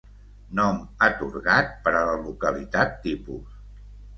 Nom atorgat per a la localitat tipus.